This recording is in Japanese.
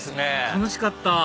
楽しかった！